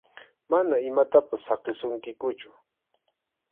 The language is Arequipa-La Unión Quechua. Mana imatapas saqisunkikuchu.